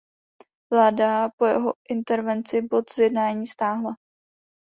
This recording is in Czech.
Vláda po jeho intervenci bod z jednání stáhla.